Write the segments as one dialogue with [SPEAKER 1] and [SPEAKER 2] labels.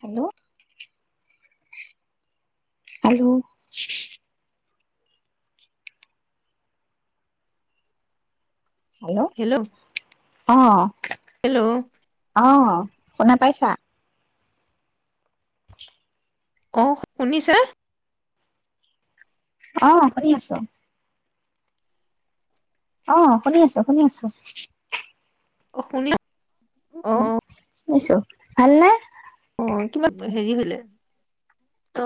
[SPEAKER 1] Hello আলু hello. অহ।
[SPEAKER 2] Hello
[SPEAKER 1] অহ। শুনা পাইছা?
[SPEAKER 2] অহ শুনিছে?
[SPEAKER 1] অঁ শুনি আছো। অঁহ শুনি আছো শুনি আছো।
[SPEAKER 2] অ শুনি অঁ।
[SPEAKER 1] শুনিছো, ভালনে?
[SPEAKER 2] অ কিবা হেৰি হৈ [inaudible]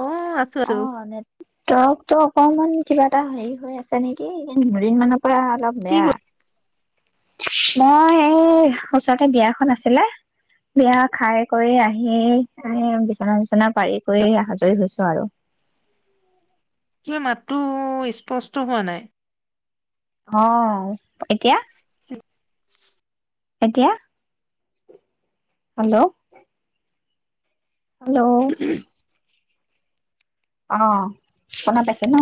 [SPEAKER 1] অ নেটৱৰ্ক ত অকমান কিবা এটা হেৰি হৈ আছে নেকি এই দুদিন মানৰ পোৰা অলপ
[SPEAKER 2] কি
[SPEAKER 1] বেয়া
[SPEAKER 2] ক
[SPEAKER 1] মই এই ওচৰতে বিয়াখন আছিলে বিয়া খাই কৰি আহি আহি বিচনা চিচনা পাৰি কৰি আজৰি হৈছো আৰু
[SPEAKER 2] মাতো স্পষ্ট হোৱা নাই
[SPEAKER 1] অঁ এতিয়া?
[SPEAKER 2] [unintelligible]
[SPEAKER 1] এতিয়া? হেল্ল'। হেল্ল'। অ শুনা পাইছে ন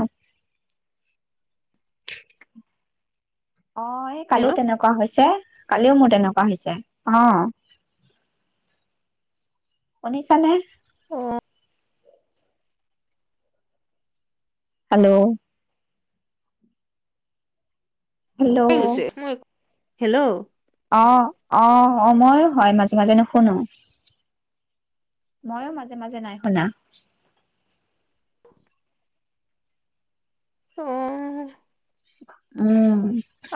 [SPEAKER 1] অ এই
[SPEAKER 2] হেল্ল
[SPEAKER 1] কালিও তেনেকুৱা হৈছে কালিও মোৰ তেনেকুৱা হৈছে অহ শুনিছানে?
[SPEAKER 2] আহ
[SPEAKER 1] হেল্ল' হেল্ল'
[SPEAKER 2] হৈ গৈছে মই, হেল্ল'
[SPEAKER 1] অ অ অ ময়ো হয় মাজে মাজে নশুনো ময়ো মাজে মাজে নাই শুনা
[SPEAKER 2] উ
[SPEAKER 1] উম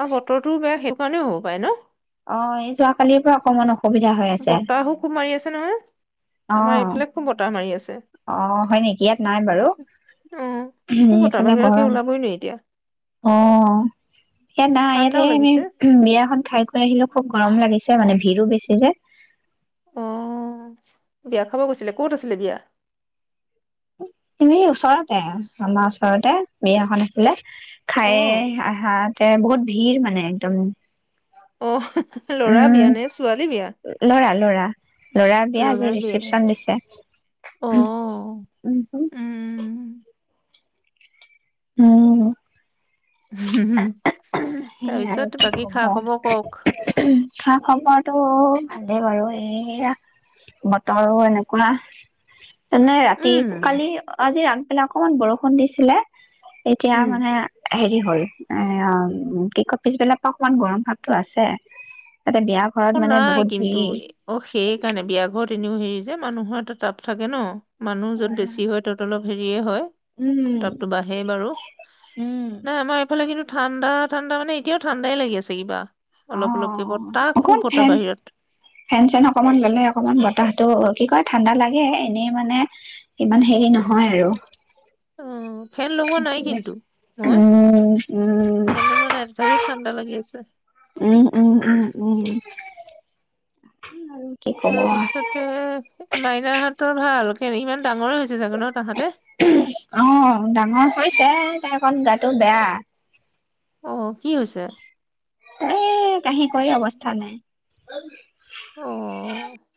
[SPEAKER 2] আৰু বতৰটোও বেয়া সেই মোবাইল ৰ
[SPEAKER 1] অ এই যোৱা কালিৰ পৰা অকমান অ
[SPEAKER 2] বতাহো খুব মাৰি আছে নহয়,
[SPEAKER 1] অ
[SPEAKER 2] আমাৰ এইফালে খুব বতাহ মাৰি আছে।
[SPEAKER 1] অ হয় নেকি ইয়াত নাই বাৰু,
[SPEAKER 2] অ খুব
[SPEAKER 1] উ
[SPEAKER 2] বতাহ
[SPEAKER 1] ইফালে
[SPEAKER 2] বাহিৰকে
[SPEAKER 1] গৰম
[SPEAKER 2] ওলাবই নোৱাৰি এতিয়া
[SPEAKER 1] অ ইয়াত নাই ইয়াত
[SPEAKER 2] ঠাণ্ডাও
[SPEAKER 1] সে আমি
[SPEAKER 2] লাগিছে
[SPEAKER 1] বিয়াখন খাই কৰি আহিলো। খুব গৰম লাগিছে মানে ভিৰো বেছি যে।
[SPEAKER 2] অহ বিয়া খাব গৈছিলে, ক'ত আছিলে বিয়া?
[SPEAKER 1] তুমি ওচৰতে, আমাৰ ওচৰতে বিয়া এখন আছিলে।
[SPEAKER 2] অ
[SPEAKER 1] খাই আহাত এ বহুত ভিৰ মানে একদম।
[SPEAKER 2] অ ল'ৰা
[SPEAKER 1] উম,
[SPEAKER 2] বিয়া নে ছোৱালী বিয়া?
[SPEAKER 1] ল'ৰা ল'ৰা বিয়া আজি
[SPEAKER 2] লৰাৰ বিয়া,
[SPEAKER 1] ৰিচিপচন দিছে।
[SPEAKER 2] অহ উম।
[SPEAKER 1] উম
[SPEAKER 2] হম হম
[SPEAKER 1] সেই আৰু কি কব। শিক্ষা খবৰটো ভালেই বাৰু এইয়া বতৰো এনেকুৱা। তেনে ৰাতি
[SPEAKER 2] উম,
[SPEAKER 1] কালি আজি এইফালে অকণমান বৰষুণ দিছিলে। এতিয়া
[SPEAKER 2] উম।
[SPEAKER 1] মানে হেৰি [unintelligible] [unintelligible] পিছবেলা পৰা অকমান গৰম ভাৱতো আছে। তাতে বিয়া ঘৰত
[SPEAKER 2] অ',
[SPEAKER 1] মানে
[SPEAKER 2] নাই
[SPEAKER 1] বহুত
[SPEAKER 2] কিন্তু,
[SPEAKER 1] ভিৰ।
[SPEAKER 2] অ', সেই কাৰণে বিয়া ঘৰত এনেও হেৰি মানুহৰ এটা তাপ থাকে ন। মানুহ য'ত বেছি হয় তত অলপ হেৰিয়ে হয়, উ
[SPEAKER 1] উম,
[SPEAKER 2] তাপটো বাঢ়েই বাৰু,
[SPEAKER 1] উম,
[SPEAKER 2] নাই আমাৰ এইফালে কিন্তু ঠাণ্ডা ঠাণ্ডা মানে এতিযাওঁ ঠাণ্ডাই লাগি আছে কিবা। অলপ অলপকে বতাহ খুব
[SPEAKER 1] অকন
[SPEAKER 2] বতাহ
[SPEAKER 1] ফেন,
[SPEAKER 2] বাহিৰত।
[SPEAKER 1] ফেন চেন অকমান ললে অকনমান বতাহ অ', কি কয় ঠাণ্ডা লাগে, এনেই মানে ইমান হেৰি নহয় আৰু।
[SPEAKER 2] অ ফেন লগৱা নাই কিন্তু মই
[SPEAKER 1] উম উম
[SPEAKER 2] ফেন লগৱা নাই তথাপিও ঠাণ্ডা লাগি আছে
[SPEAKER 1] উম উম উম উম আৰু কি কব
[SPEAKER 2] তাৰপিছতে মাইনাহতৰ ভাল কেৰি ইমান ডাঙৰে হৈছে চাগে ন তাহাঁতে
[SPEAKER 1] অ ডাঙৰ হৈছে তাই অকন গাটো বেয়া
[SPEAKER 2] অ কি হৈছে
[SPEAKER 1] এ কাহি কহি অৱস্থা নাই
[SPEAKER 2] অ